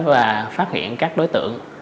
và phát hiện các đối tượng